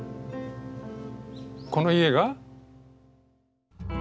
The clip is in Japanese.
この家が？